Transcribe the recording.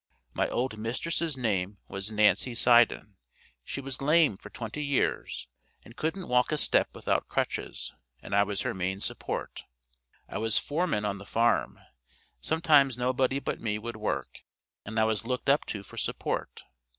My old mistress' name was Nancy Sydan; she was lame for twenty years, and couldn't walk a step without crutches, and I was her main support. I was foreman on the farm; sometimes no body but me would work, and I was looked up to for support.